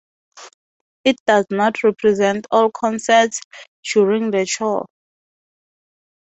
It does not represent all concerts during the tour.